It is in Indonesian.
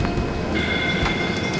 pulang ke rumah